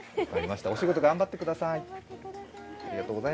お仕事、頑張ってください。